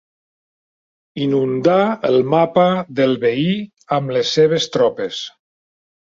Inundà el mapa del veí amb les seves tropes.